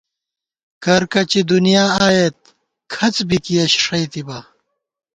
کرکچی دُنیانہ آئیېت، کھڅ بی کِیَہ ݭئیتِبا